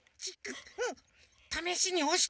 ためしにおしてみる？